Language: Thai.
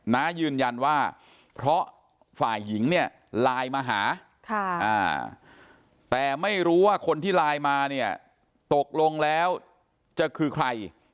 น้ายืนยันว่าเพราะฝ่ายหญิงเนี่ยไลน์มาหาแต่ไม่รู้ว่าคนที่ไลน์มาเนี่ยตกลงแล้วจะคือใคร